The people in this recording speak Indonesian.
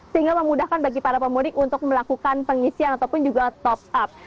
sehingga memudahkan bagi para pemudik untuk melakukan pengisian ataupun juga top up